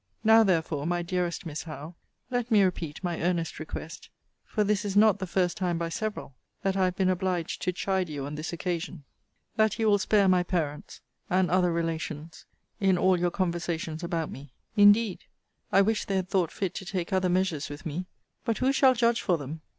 Now, therefore, my dearest Miss Howe, let me repeat my earnest request (for this is not the first time by several that I have been obliged to chide you on this occasion,) that you will spare my parents, and other relations, in all your conversations about me. Indeed, I wish they had thought fit to take other measures with me: But who shall judge for them?